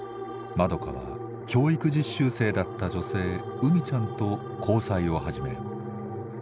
まどかは教育実習生だった女性うみちゃんと交際を始める。